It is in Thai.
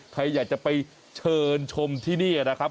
ใครอยากจะไปเชิญชมที่นี่นะครับ